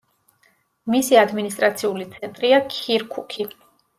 მისი ადმინისტრაციული ცენტრია ქირქუქი.